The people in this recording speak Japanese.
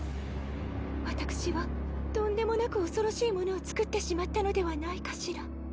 私はとんでもなく恐ろしいものを作ってしまったのではないかしら。